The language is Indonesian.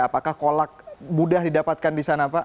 apakah kolak mudah didapatkan di sana pak